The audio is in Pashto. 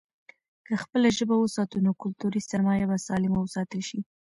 که خپله ژبه وساتو، نو کلتوري سرمايه به سالمه وساتل شي.